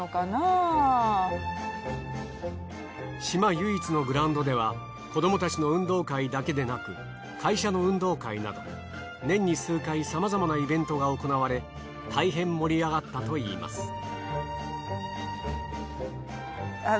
島唯一のグラウンドでは子どもたちの運動会だけでなく会社の運動会など年に数回さまざまなイベントが行われたいへん盛り上がったといいます。